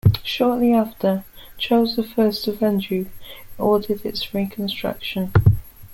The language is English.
Shortly after, Charles the First of Anjou ordered its reconstruction.